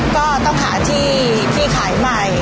ก็ต้องหาที่ที่ขายใหม่